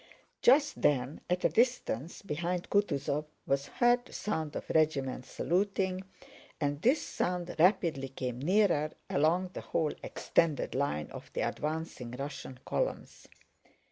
Just then at a distance behind Kutúzov was heard the sound of regiments saluting, and this sound rapidly came nearer along the whole extended line of the advancing Russian columns.